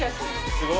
すごい！